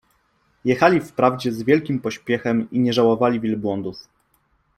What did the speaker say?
Jechali wprawdzie z wielkim pośpiechem i nie żałowali wielbłądów.